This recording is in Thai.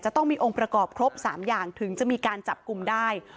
ต้องมีองค์ประกอบครบ๓อย่างถึงจะมีการจับกลุ่มได้